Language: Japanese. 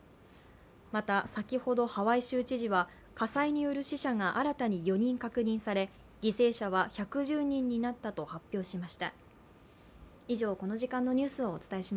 また先ほどハワイ州知事は火災による死者が新たに４人確認され犠牲者は１１０人になったと発表しました。